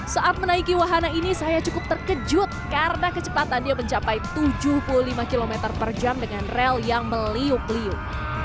saat menaiki wahana ini saya cukup terkejut karena kecepatannya mencapai tujuh puluh lima km per jam dengan rel yang meliup liuk